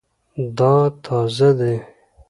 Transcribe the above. دا تازه دی